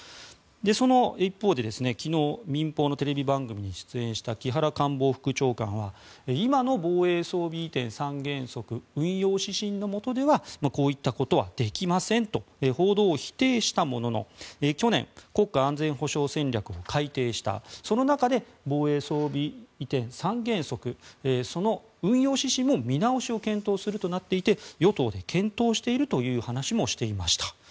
その一方で、昨日民放のテレビ番組に出演した木原官房副長官は今の防衛装備移転三原則運用指針のもとではこういったことはできませんと報道を否定したものの去年国家安全保障戦略を改定したその中で防衛装備移転三原則その運用指針も見直しを検討するとなっていて与党で検討しているという話もしていました。